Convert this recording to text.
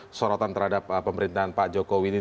apa yang anda lakukan terhadap pemerintahan pak jokowi ini